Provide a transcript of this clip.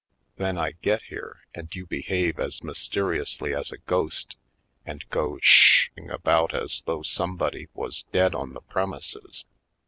Then I get here and you behave as mysteriously as a ghost and go sh h hing about as though somebody was dead on the premises.